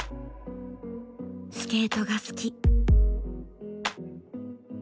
スケートが好き。